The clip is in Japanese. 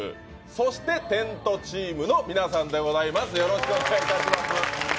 そしてテントチームの皆さんでございます。